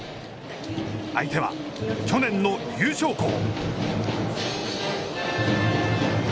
相手は去年の優勝校。